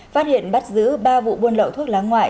phát hiện bắt giữ ba vụ buôn lậu thuốc lá ngoại